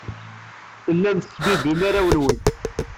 Tellam tettbibbim arraw-nwen.